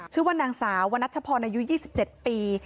ชื่อว่านางสาววนัชพรอายุ๒๗ปี